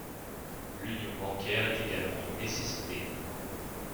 L’union bancaire est également une nécessité.